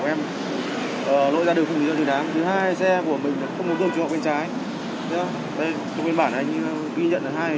em chưa được tìm hiểu kỹ nên là giấy tàn như thế này